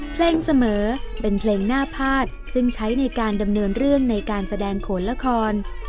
เพลงเสมอเป็นเพลงหน้าพาดซึ่งใช้ในการดำเนินเรื่องในการแสดงโขนละคร